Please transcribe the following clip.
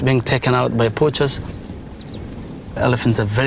miễn câu nói về sampuru muhammad